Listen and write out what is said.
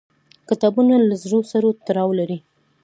کتابچه له زړونو سره تړاو لري